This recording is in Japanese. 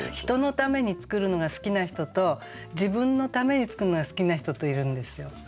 人のために作るのが好きな人と自分のために作るのが好きな人といるんですよ。